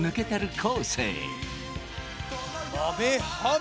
昴